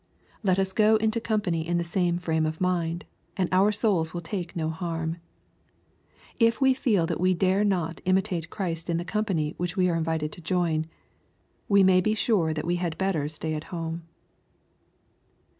Let lis go into company in the same frame of mind, and our souls will take no harm. If we feel that we dare not imi tate Christ in the company which we are invited to join, we may be sure that we had better stay at home.